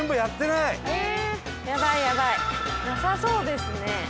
なさそうですね。